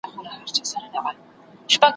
دربارونه به تاوده وي د پیرانو `